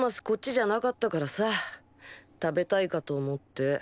こっちじゃなかったからさ食べたいかと思って。